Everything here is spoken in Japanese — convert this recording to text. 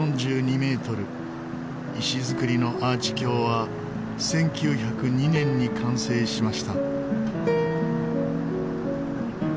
石造りのアーチ橋は１９０２年に完成しました。